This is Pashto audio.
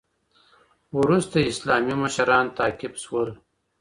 وروسته اسلامي مشران تعقیب شول.